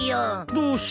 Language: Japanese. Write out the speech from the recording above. どうして？